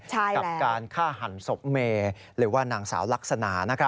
กับการฆ่าหันศพเมหรือว่านางสาวลักษณะ